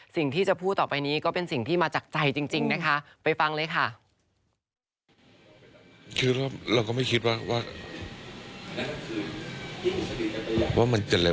สิ่งที่จะพูดต่อไปนี้ก็เป็นสิ่งที่มาจากใจจริงนะคะไปฟังเลยค่ะ